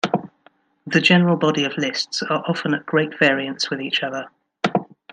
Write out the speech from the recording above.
The general body of lists are often at great variance with each other.